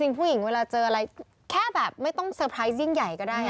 ผู้หญิงเวลาเจออะไรแค่แบบไม่ต้องเซอร์ไพรส์ยิ่งใหญ่ก็ได้